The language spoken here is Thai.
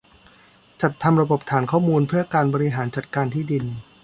จัดทำระบบฐานข้อมูลเพื่อการบริหารจัดการที่ดิน